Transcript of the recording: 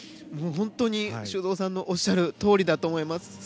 本当に修造さんのおっしゃるとおりだと思います。